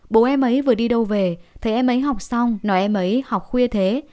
bố em ấy vừa đi đâu về thấy em ấy học xong nói em ấy học khuya thế